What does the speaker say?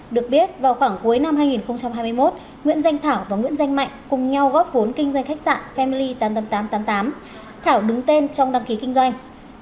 được biết vào khoảng cuối năm hai nghìn hai mươi một nguyễn danh thảo và nguyễn danh mạnh cùng nhau góp vốn kinh doanh khách sạn famli tám nghìn tám trăm tám mươi tám thảo đứng tên trong đăng ký kinh doanh